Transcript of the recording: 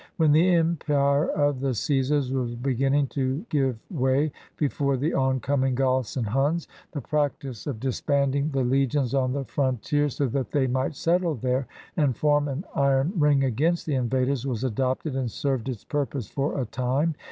When the empire of the Caesars was beginning to give way before the oncoming Goths and Huns, the practice of disbanding the legions on the frontier so that they might settle there and form an iron ring against the invaders was adopted and served its purpose for a time.